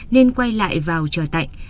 nên quay lại vào chờ tạnh